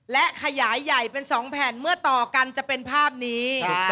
และขยายใหญ่เป็น๒แผ่นเมื่อต่อกันจะเป็นภาพนี้